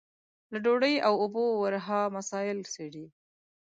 له ډوډۍ او اوبو ورها مسايل څېړي.